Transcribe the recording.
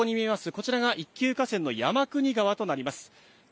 こちらが一級河川の山国川となります。